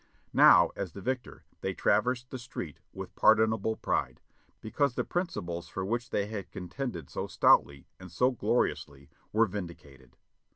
Now as the victor they traversed the street with pardonable pride, because the principles for which they had contended so stoutly and so gloriously were vindicated.